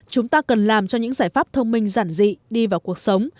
chúng ta cần làm cho những giải pháp thông minh giản dị đi vào cuộc sống